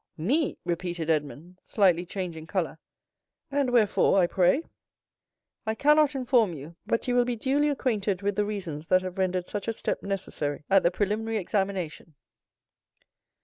"Me!" repeated Edmond, slightly changing color, "and wherefore, I pray?" "I cannot inform you, but you will be duly acquainted with the reasons that have rendered such a step necessary at the preliminary examination."